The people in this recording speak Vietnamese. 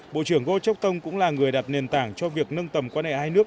bộ trưởng goh chok tong cũng là người đặt nền tảng cho việc nâng tầm quan hệ hai nước